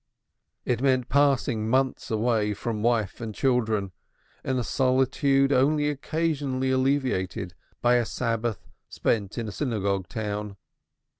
It meant passing months away from wife and children, in a solitude only occasionally alleviated by a Sabbath spent in a synagogue town.